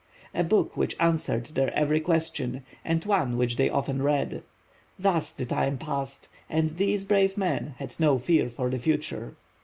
A book which answered their every question, and one which they often read. Thus the time passed, and these brave man had no fear for the future.